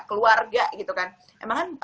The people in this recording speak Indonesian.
keluarga gitu kan emang kan